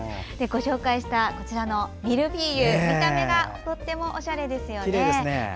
ご紹介したミルフィーユ見た目がとてもおしゃれですよね。